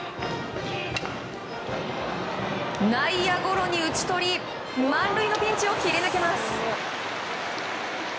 内野ゴロに打ち取り満塁のピンチを切り抜けます。